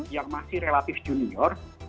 yang masih relatif junior